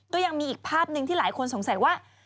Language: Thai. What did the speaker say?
ก็ยังมีอีกภาพหนึ่งที่หลายคนสงสัยว่า